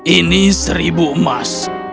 ini seribu emas